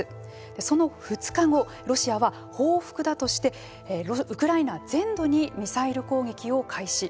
その２日後、ロシアは報復だとしてウクライナ全土にミサイル攻撃を開始。